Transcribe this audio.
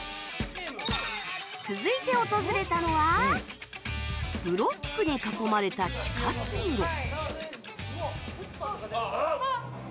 続いて訪れたのはブロックに囲まれた地下通路あっ！